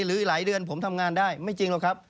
หรือหลายเดือนผมทำงานได้ไม่จริงหรอกครับ